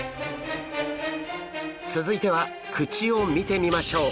続いては口を見てみましょう。